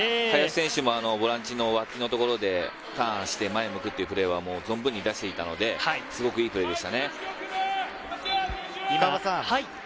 林選手もボランチの脇のところでターンして前を向くっていうプレーは存分に生かしていたので、すごくいいプレーでしたね。